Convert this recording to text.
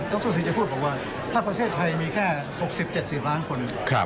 รสินจะพูดบอกว่าถ้าประเทศไทยมีแค่๖๐๗๐ล้านคน